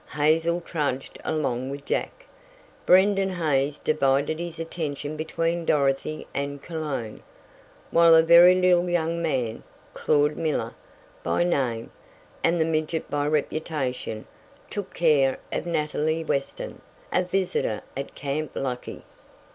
Hazel trudged along with Jack, Brendon Hays divided his attention between Dorothy and Cologne, while a very little young man, Claud Miller, by name, and the midget by reputation, took care of Nathalie Weston, a visitor at Camp Lucky.